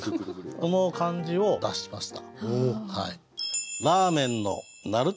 その感じを出しました。